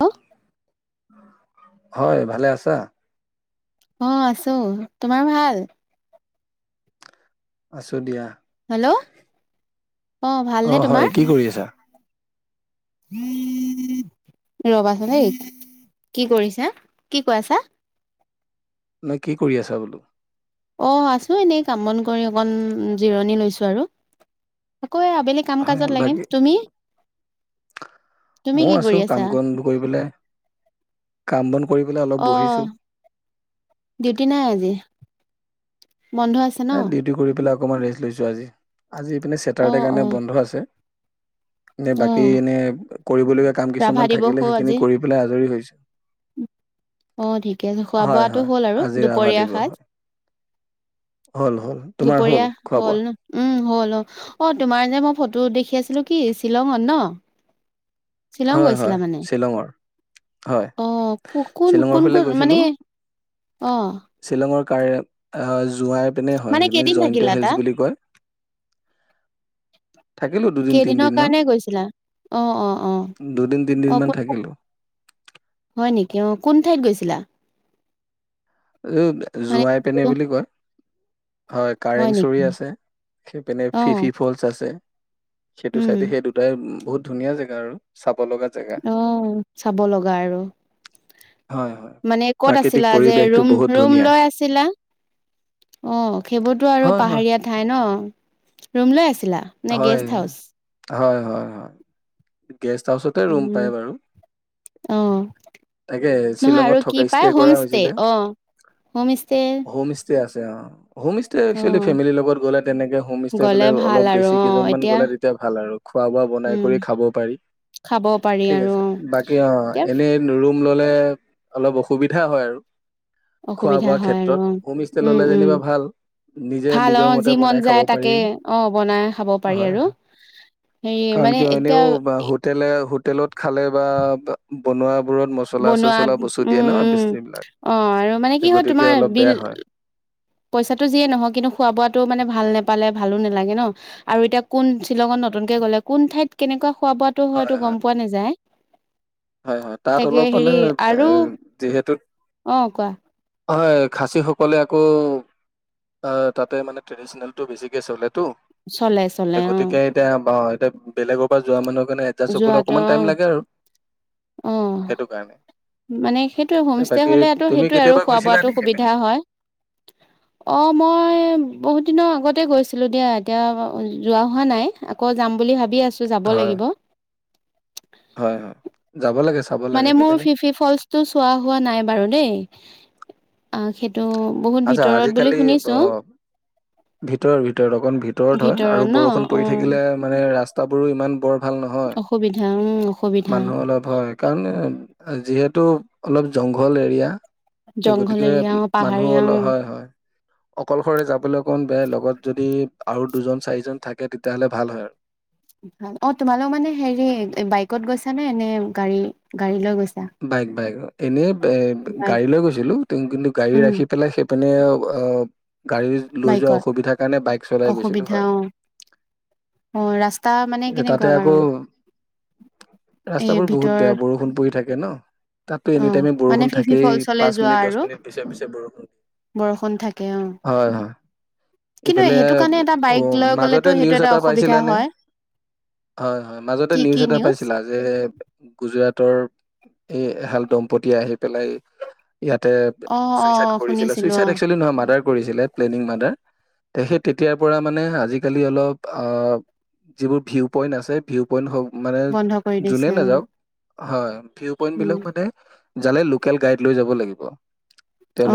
Hello হয় ভালে আছা। অ আছো তোমাৰ ভাল, আছো দিয়া। হেল্ল'! অ ভালনে অঁ হয় কি কৰি আছা ৰবা চুন দেই কি কৰিছা কি কৈ আছা ন কি কৰি আছা বোলো অঁ আছো এনেই কাম বন কৰি অকন জিৰণি লৈছো আৰু আকৌ আবেলি কাম হয় কাজত বাকী লাগিম তুমি তুমি কি ময়ো কৰি আছো কাম আছা বন কৰি পেলায় কাম বন পঢ়িবলৈ অলপ অ বহিছোঁ ডিউটি নাই আজি বন্ধ আছে ন অকণমান ৰেচ লৈছোঁ আজি আজি ইপিনে অ ছেটাৰ্ডে অ কাৰণে বন্ধ আছে নে অ বাকী এনে কৰিবলগীয়া কাম ৰাভা কিছুমান দিৱসো থাকিলে সেইখিনি কৰি পেলাই আজৰি হৈছো অঁ ঠিকে আছে খোৱা হয় বোৱাটো হয় হল আৰু আজি ৰাভা দুপৰীয়া দিৱস সাজ হয়। হ'ল হ'ল তোমাৰ হ'ল দুপৰীয়া খোৱা হল বোৱা? ন উম হ'ল অঁ অঁ তোমাৰ যে মই ফটো ফটো দেখি আছিলো কি শ্বিলঙত ন শ্বিলং হয় গৈছিলা হয় মানে শ্বিলঙৰ হয় অঁ ক কোন শ্বিলঙৰ কোন ফালে কোন মানে গৈছিলো। অঁ [unintelligible] জুৰাই পিনে হয় কেইদিন জয়ন্তীয়া থাকিলা হিলচ তাত? বুলি কয় থাকিলো দুদিন তিনিদিন মান অঁ দুদিন তিনদিন অঁ মান কোন থাকিলো হয় নেকি অঁ কোন ঠাইত গৈছে গৈছিলা এই মানে জুৰাই পিনে বুলি কয় হয় কাৰেংচৰি আছে সেইপিনে অ', ফিফি ফলচ আছে সেইটো উম, চাইডে সেই দুটাই বহুত ধুনীয়া জেগা আৰু চাব লগা জেগা অঁ চাব লগা আৰু হয় হয় মানে ক'ত প্ৰাকৃতিক আছিলা যে আৰু পৰিৱেশটো ৰুম বহুত ৰুম ধুনীয়া লৈ আছিলা অঁ সেইবোৰতো আৰু হয় হয় পাহাৰীয়া ঠাই ন ৰুম লৈ আছি- হয় হয় হয় হয় গেষ্ট হাউচত তাতে ৰুম পায় বাৰু অঁ তাকে নহয় শ্বিলঙত আৰু কি থকা ষ্টে পায় হোম কৰা ষ্টে হৈছিলে অঁ হোম ষ্টে তাতে আছে অঁ হোম ষ্টে একচুৱেলি অ', ফেমিলিৰ লগত গ'লে তেনেকে হোমষ্টে বোলে গ'লে ভাল অলপ আৰু বেছি অ', কেইজনমান এতিয়া গলে ভাল আৰু খোৱা বোৱা বনাই উম। কৰি খাব পাৰি খাব পাৰি ঠিক আৰু আছে অ বাকি অ এতিয়া এনে ৰুম ললে অলপ অসুবিধা হয় আৰু। খোৱা অসুবিধা বোৱা হয় আৰু ক্ষেত্ৰত অ হোম ষ্টে উম ললে উম যেনিবা ভাল নিজে ভাল অ নিজৰ মতে যি মন বনাই খাব যায় পাৰি তাকে অ বনাই খাব পাৰি হয় আৰু হয় হেৰি কাৰণ মানে কিয় এতিয়া এনেও হোটেলে হোটেলত খালে বা বনোৱা বনোৱাত উম উম বেছিবিলাক অ আৰু মানে কি হয় গতিকে তোমাৰ অলপ বিল বেয়া হয় পইচাটো যিয়ে নহয়, কিন্তু খোৱা বোৱাতো মানে ভাল নোপালে ভালো নালাগে নহ আৰু এতিয়া কোন শ্বিলঙত নতুনকে গ'লে কোন ঠাইত কেনেকুৱা খোৱা বোৱাতো হয়তো হয় গম হয় পোৱা নাযায়। হয় হয়, তাত তাকে অলপ হেৰি মানে আৰু যিহেতু অ কোৱা হয়, খাচীসকলে আকৌ তাতে মানে ট্ৰেডিশনেলটো বেছিকৈ চলে টো, চলে চলে অ গতিকে এতিয়া, এতিয়া বেলেগৰ আকৌ যোৱা মানুহক মানে এডজাষ্ট হবলে যোৱাটো অকমান টাইম লাগে আৰু অ অ সেইটো কাৰণে মানে সেইটোৱে এ হোমষ্টে বাকী হলেতো তুমি সেইটোৱে আৰু কেতিয়াবা খোৱা গৈছিলা বোৱাটো নেকি সেইপিনে? সুবিধা হয়। অহ মই বহুত দিনৰ আগতে গৈছিলো দিয়া, এতিয়া যোৱা হোৱা নাই আকৌ যাম বুলি ভাবি আছোঁ কৈছোঁ, যাব হয়, লাগিব। হয় হয়। যাব লাগে চাব লাগে মানে মোৰ, সেইপিনে। ফিফি ফলচটো চোৱা হোৱা নাই বাৰু দেই আহ কে আচ্ছা আজিকালি ব ভিতৰত ভিতৰত অকন ভিতৰত হয় আৰু ন বৰষুণ অ পৰি থাকিলে মানে ৰাস্তা। তাবোৰো ইমান বৰ। ভাল নহয় অসুবিধা উম অসুবিধা মানুহ অলপ হয় কাৰণ। যিহেতু অলপ জংঘল এৰিয়া। তে জংঘল গতিকে এৰিয়া পাহাৰ। মানুহ হয় হয় অকলশৰে যাবলৈ অকণ বেয় লগত যদি। আৰু দুজন চাৰিজন থাকে তেতিয়াহ'লে ভাল হয় আৰু ভ অ তোমালোক মানে হেৰি বাইকত গৈছ নে নে গাড়ী গাড়ী লৈ গৈছা? বাইক বাইক এনেই এ বাইক গাড়ী লৈ গৈছিলো কিন্তু গাড়ী উম ৰাখি পেলাই? মানে অ। গাড়ী লৈ যোৱা বাইকত অসুবিধাৰ কাৰণে বাইক চলাই গৈছিলো অসুবিধা হয়। অ অ ৰাস্তা মানে এয়া তাতে কেনেকুৱা আকৌ বাৰু এই ৰাস্তাবোৰ বহুত ভিতৰ বেয়া বৰষুণ পৰি থাকে? থাকে ন। তাতো অ এনি টাইমে মানে বৰষুণ ফিফি থাকেই ফলচলে পাঁচ যোৱা মিনিট দহ আৰু মিনিট পি পি বৰষুণ দিয় বৰষুণ থাকে অ হয় হয় কিন্তু ইফালে সেইটো কাৰণে এটা বাইক লৈ মাজতে গ'লেতো সেইটো নিউজ এটা অসুবিধা পাইছিলানে? হয় হয় হয় মাজতে কি কি নিউজ এটা পাইছিলা যে গুজৰাটৰ এহাল দম্পতি আহি পেলাই ইয়াতে অ অ চুইচাইড কৰিছিলে শুনিছিলো চুইচাইড অ একচুয়ালি নহয় মাৰদাৰ কৰিছিলে প্লেনিং মাদাৰ হে তেতিয়া পৰা মান আজালি অলপ আ যিবোৰ ভিউ পইণ্ট আছে ভিউ পইন্ট হক মানে বন্ধ কৰি যোনে দিছে অ নাযাওক হয় ভিউ পইন্ট বিলাক উম মানে জালে লোকেল গাইড লৈ যাব লাগে। দিব।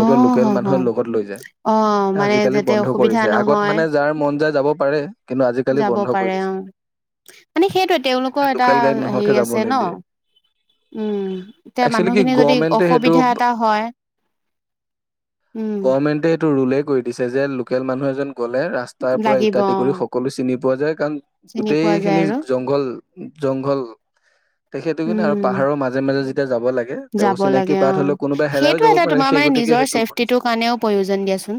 অ হ লোকেল হ মানুহে লগত লৈ যায় অ মানে আজিকালি যাতে বন্ধ অসুবিধা কৰিছে আগত নহয় মানে যাৰ মন যায় যাব পাৰে কিন্তু আজিকালি যাব বন্ধ কৰি দিছে মানে সেইটোৱে আজিকালি তেওঁলোকৰ এটা লোকেল গাইড নোহোৱাকে হেৰি যাব আছে ন নিদিয়ে উম এতিয়া একচুৱেলি কি মানুহখিনি যদি অসুবিধা এটা হয় উম গমেন্টে এইটো ৰো [unintelligible] কৰি দিছে যে লোকেল মানুহ এজন গ'লে ৰাস্তাৰ পৰা লাগিব অ ইত্যাদি কৰি সকলো চিনি পোৱা যায়। চিনি গোটেই পোৱা যায় খিনি আৰু জংঘল। জংঘল। সেইটো কিন্তু, উম পাহাৰ'ৰ মাজে, মাজে যিতো যাব লাগে অ' হেৰাইও সেইটো যাব এটা পাৰে তোমাৰ সেই মানে, গতিকে নিজৰ সেইটো কৰিছে। চছেফটিটোৰ কাৰণেও প্ৰয়োজন দিয়াচোন।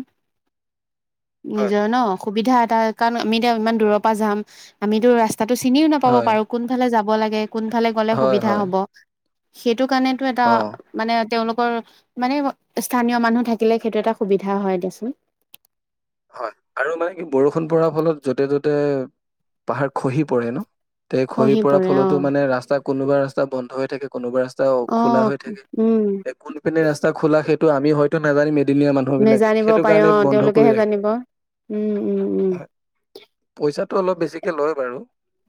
হয় নিজৰ ন' অসুবিধা কাৰণেও, আমি এতিয়া ইমান দূৰৰ পৰা যাম। আমিতো ৰাস্তা ৰাচতা টো চিনিও নাপাব হয় পাৰো, কোনফালে যাব [unintelligible] লাগে। কোনফালে গলে হয় সুবিধা হয়, হ'ব। সেইটো কাৰণে এটা অ মানে তেওঁলোক মানে স্থানীয় মানুহ থাকিলে, সেইটো এটা সুবিধা হয় দিয়াচোন। হয়। আৰু মানে, কি বৰষুণ পৰা ফলত য'তে, ত'তে পাহাৰ খহি পৰে ন। তে খ'হি পৰাৰ পৰে অ ফলতো মানে' ৰাস্তা কোনোবা ৰাস্তা বন্ধ হৈ থাকে, কোনোবা ৰাস্তা অ খোলা হৈ থাকে। উম এ' কোনপিনে ৰাস্তা খোলা, সেই টো আমি হয়'তো নাজানিময়ে। এদিনীয়া মানুহবিলাকে, নেজানিব সেইটো পাৰে অ কাৰণে বন্ধ তেওঁলোকেহে কৰি ৰাখে। হয়। জানিব উম উম উম পইচাটো অলপ বেছিকৈ লয় বাৰু।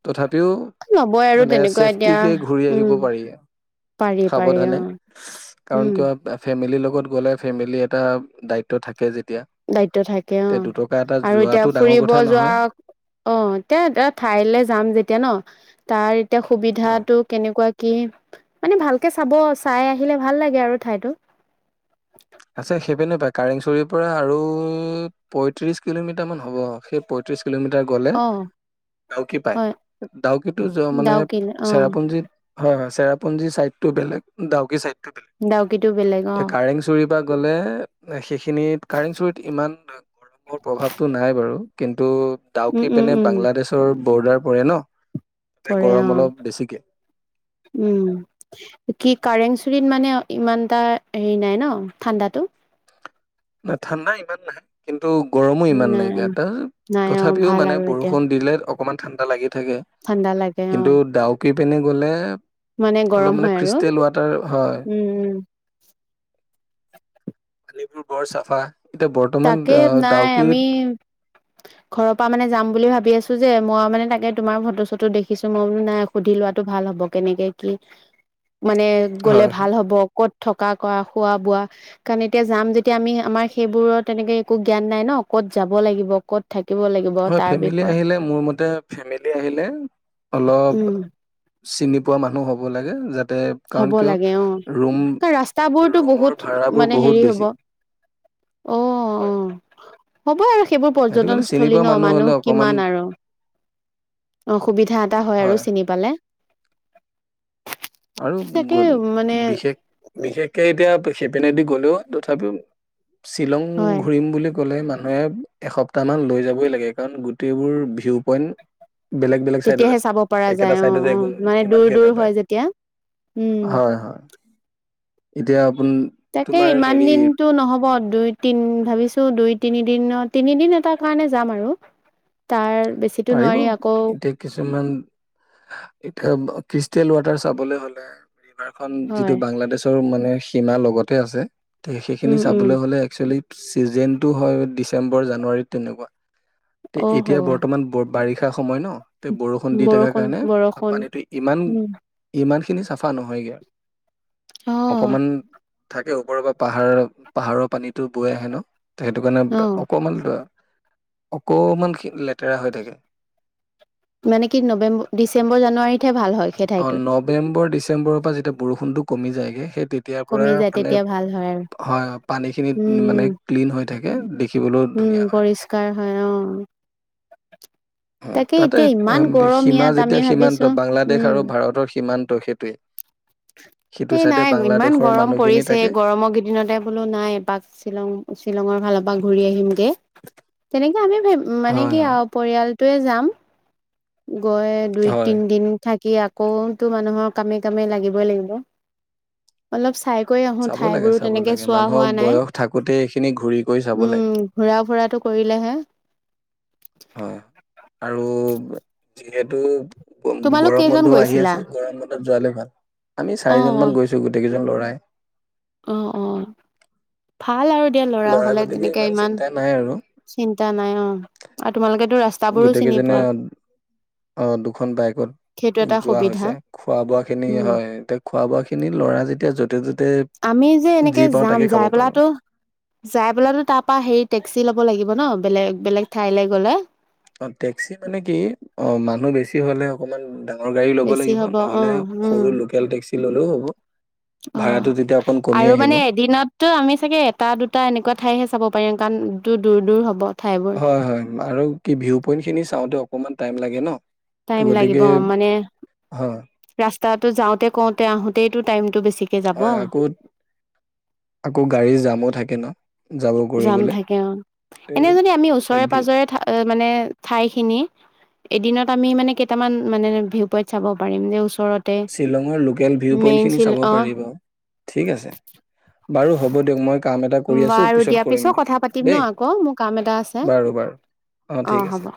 তথাপিও- ল'বই আৰু মানে তেনেকুৱা চছেফটটি এতিয়া কে ঘূৰি আহিব উম পাৰি পাৰি পাৰি অ সাৱধানে, কাৰণ উম কি' ফ্ৰেমেলি লগত। লগত গ'লে ফ্ৰেমেলি এটা দায়িত্ব থাকে যে। দায়িত্ব থাকে। অঁ আৰু এতিয়া যোৱাটো ডাঙৰ ফুৰিব কথা যোৱা, নহয় অঁ এতিয়া এটা ঠাইলৈ যাম যেতিয়া ন' তাৰ এতিয়া- হয়। সুবিধাটো কেনেকুৱা- কি? মানে ভালকে চাব, চাই আহিলে ভাল লাগে আৰু ঠাইতটো। আছে। সেইপিনেই পায় কাৰেংচুৰীৰ পৰা আৰু পয়ত্ৰিশ কিলোমিটাৰ মান হ'ব। সেই পয়ত্ৰিশ- কিলোমিটাৰ গ'লে অ ডাউকি পায়, হয় ডাউকিটো মানে, ডাউকিলে অ চেৰাপুঞ্জী- হয়, হয়, চেৰাপুঞ্জী ছাইড টো বেলেগ, ডাউকি চাইড- ডাউকি টো বেলেগ অঁহ। তই গ'লে শেষ- খিনিত কাৰেণ্ট চুৰিত ইমান- গৰমৰ প্ৰভাৱতটো নাই বাৰ। কিন্তু, উম ডাউকি উম পেনে উম বাংলাদেশৰ। অৰ্ডাৰ পৰে ন। তাতে প ৰে গৰম অ অলপ বেছিকে উম কি কাৰেংছ। ৰিত মানে ইমান এটা হেৰি নাই ন ঠাণ্ডাটো। ন ঠাণ্ডা ইমান নাহে কিন্তু। ত গৰমো ইমান নাই নাইকিয়া ত নাই অ তথাপিও ভাল মানে আৰু এতিয়া বৰষুণ দিলে। অকমাণ ঠান্দা লাগিব। থাকে ঠাণ্ডা লাগে অ কিন্তু ডাউক পিনে। গ'লে। মানে অলপ গৰম হয় আৰু ক্ৰিষ্টেল ৱাটাৰ উম উম। আালিগো। বৰ চাফা। এতিয়া বৰ্তমান তাকে আহ, নাই আমি ডাউকিত ঘৰৰ পৰা মানে যাম বুলি ভাবি। ভাবি আছো যে মই মানে তাকে তোমাৰ ফটো চটো দেখিছো মই মানে নাই সুধি লোৱাটো ভাল হব কেনেকে কি। মানে গ'লে হয় ভাল হয় হ'ব ক'ত। থকা কৰা খোৱা বোৱা কাৰণ এতিয়া যাম যেতিয়া আমি আমাৰ সেইবোৰত। তেনেকে একো জ্ঞান নাই ন ক'ত যাব লাগিব ক'ত থাকিব। লাগিব হয় তাৰ ফেমিলি বিষয়ে আহিলে মোৰ মতে ফেমিলি আহিলে অলপ। উম চিনি পোৱা মানুহ হ'ব লাগে যাতে। কাৰণ হ'ব কিয় লাগে অ ৰুম ৰাস্তাবোৰতো ৰুমৰ বহুত ভাড়াবোৰ মানে বহুত হেৰি হ'ব বেছি অ অ। হ'ব। সেইবোৰ সেইটো কাৰণে চিনি পৰ্যটনস্থলী পোৱা ন হ'লে মানুহ অকমান কিমান আৰু। অসুবিধা এটা হয় আৰু চিনি পালে। আৰু তাকে মানে বিশেষ বিশেষকে এতিয়া। চেপেনেদি গ'লেও তথাপিও। শ্বিলং হয় ঘূৰিম বুলি। কলে মানুহে এসপ্তাহান লৈ যাবই লাগে কাৰণ গোটেইবোৰ ভিউ পইণ্ট। বেলেগ বেলেগ চাইডত তেতিয়াহে আছে চাব পৰা একেটা যায় অ চাইডতে একো অ মানে দূৰ ইমানকে দূৰ নাপায় হয় যেতিয়া। উম হয় হয়। এতিয়া। আপোন তাকে তোমাৰ ইমান হেৰি দিনটো নহব। দুই তিন ভাবিছো দুই তিনি দনৰ তিনিদিন এটাৰ কাৰণে যাম আৰু তাৰ। বেছিতো পাৰিব নোৱাৰি আকৌ এতিয়া কিছুমান এতিয়া। বা ক্ৰিষ্টেল ৱাটাৰ চাবলৈ হ'লে ৰিভাৰ খন যিটো হয় বাংলাদেশৰ মানে মানে সীমা লগতে আছে সেই, সেইখিনি উম উম চাবলৈ হ'লে একচুৱেল চিজনটো হয় ডিচেম্বৰ জানুৱাৰীত তেনেকুৱা এ, অ হ এতিয়া বৰ ব বাৰিষা সময় ন বৰষুণ দি থকা বৰষুণ কাৰণে বৰষুণ পানীটো ইমান উম ইমান সেইখিনি চাফা নহয়গে, অ অকমান থাক ওপৰৰ পৰা পাহাৰৰ পাহাৰৰ পানীতো বৈ আহে ন ত সেইটোকাৰণে অ অকণমানতো অকমানখিনি লে লেটেৰা হৈ থাকে। মানে কি নৱেম্ব ডিচেম্বৰ জানুৱাৰীতহে ভাল হয় সেই অ ঠাইটোত নৱেম্বৰ ডিচেম্বৰৰ পৰা যেতিয়া বৰষুণটো কমি যায়গে সেই তেতিয়াৰ পৰা কমি যায় মানে তেতিয়া ভাল হয় আৰু হা পানী খিনি উম মানে ক্লিন হয় তাকে দেখ দেখিবলৈও উম, ধুনীয়া পৰিষ্কাৰ হয় অঁ। উম্, তাতে ইমান গৰম সীমা ইয়াত আমি যেতিয়া সীমান্ত ভাবিছো বাংলাদেশ আৰু ভাৰতৰ সীমা ত সেইটোৱে। সিটো এ চাইডে নাই ইমান বাংলাদেশৰ গৰম মানুহখিনি পৰিছে থাকে গৰমৰ কেইদিনতে বোলো নাই এপাক শ্বিলং শ্বিলঙৰ ফালৰ পৰা ঘূৰি আহিমগে, তেনেকে আমি মানে হয়, কি হয়, আৰু পৰিয়াল টোয়ে যাম। গৈ দুই হয়। তিনদিন থাক কি আকৌতো মানুহৰ কামে- কামে লাগি ব লাগিব, অলপ চাই কৰি আহো চাব ঠাই লাগে, বোৰো চাব তেনেকে লাগে। চোৱা মানুহৰ হোৱা নাই, বয়স থাকোতে এইখিনি ঘূৰি কৰি চাব লাগে। উম ঘূৰা ফুৰাটো কৰিলেহে হয়। আৰু, যিহেতু উম, তোমালোক গৰম কেইজন বন্ধও আহি গৈছিলা আছে, গৰম বন্ধ তাত যোৱালৈ ভাল আমি চাৰিজনমান গৈছো গোটেইকেইজন ল'ৰা প্ৰায় অঁ - অঁ, ভাল আৰু ল'ৰা হ'লে, গতিকে তেনেকে ইমান চিন্তা নাই আৰু। চিন্তা নাই অ, আৰু তোমালোকেতো ৰাচ গোটেই কেইজনে, অ দুখন বাইকত সেইটো এটা যোৱা সুবিধা হৈছে, খোৱা বোৱা খিনি উম হয় এতিয়া খোৱা বোৱা খিনি ল'ৰা যেতিয়া য [unintelligible] আমি যে এনেকে যাম যাই পাৰোঁ। পেলাই তো যাই পেলাই তো তাৰ পৰা হেৰি টেক্সি ল ব লাগিব ন, বেলেগ- বেলেগ ঠাইলৈ গ'লে। অঁ টেক্সি মানে কি, অঁ মানুহ বেছি হ'লে অকমান ডাঙ ঙৰ গাড়ী ল'ব বেছি লাগিব, হ'ব অ নহ'লে সৰু লোকেল টেক্সি ল'লেও হ'ব। অ', ভাড়াটো তেতিয়া অকণ কমি আৰু আহিব মানে এদিনততো আমি চাগে এটা দুটা এনেকুৱা ঠাইহে চাব পাৰিম, কাৰণ দু দূৰ- দূৰ হ'ব। ঠাইবোৰ হয় -হয় আৰু কি ভিউ পইন্ট খিনি চাওঁতে অকমান টাইম লাগে ন। ত টাইম লাগিব গতিকে মানে, হয় ৰাচ তাতো যাওঁতে, কওঁতে, আহোতেইটো টাইমটো বেছি হয় আকৌ- আকৌ গাড়ীৰ জামো থাকে ন। যাব যাম কৰিবলে থাকে অ', এনে যদি আমি ওচৰে পাজৰে ঠা মানে ঠাই খিনি, এদিনত আমি মানে কেইটামান মানে ভিউ পইন্ট চাব পাৰিম যে ওচৰতে শ্বিলঙৰ লোকেল ভিউ মেইন পইণ্টখিনি চিল চাব অ পাৰি বাৰু, ঠিক আছে, পাৰো হব দিয়ক মই কা ব আৰু দিয়া পিছত কথা পাতিম ন আকৌ মোৰ কাম এটা আছে, বাৰু বাৰু অ ঠিক আছে হ'ব।